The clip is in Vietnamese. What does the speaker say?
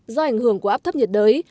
do ảnh hưởng của áp thấp nhiệt đới